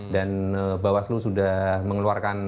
dan bawah slu sudah mengeluarkan